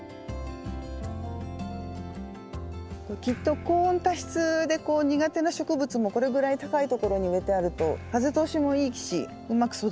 きっと高温多湿で苦手な植物もこれぐらい高い所に植えてあると風通しもいいしうまく育つでしょうね。